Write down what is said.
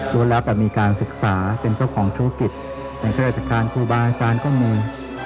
รวมแล้วแต่มีการศึกษาเป็นเจ้าของธุรกิจเป็นเครือจักรคุบาอาจารย์ก็มี